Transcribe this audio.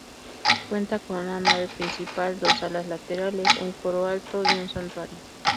Cuenta con una nave principal, dos alas laterales, un coro alto y un santuario.